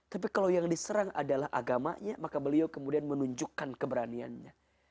tapi kalau yang diserang adalah agamanya maka beliau kemudian menunjukkan keberaniannya